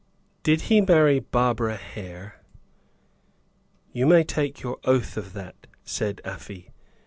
"Did he marry Barbara Hare?" "You may take your oath of that," said Afy.